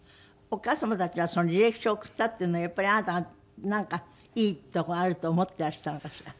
お母様たちは履歴書送ったっていうのはやっぱりあなたがなんかいいとこがあると思ってらしたのかしら？